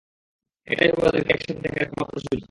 এটাই হবে ওদেরকে একসাথে দেখার একমাত্র সুযোগ।